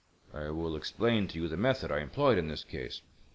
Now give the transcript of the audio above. I will explain to you the method I employed in this case.